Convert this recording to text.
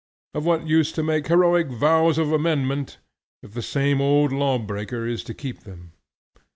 Of what use to make heroic vows of amendment, if the same old law breaker is to keep them?